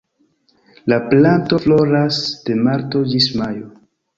La planto floras de marto ĝis majo.